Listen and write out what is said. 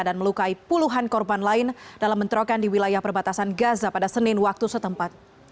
dan melukai puluhan korban lain dalam menterokan di wilayah perbatasan gaza pada senin waktu setempat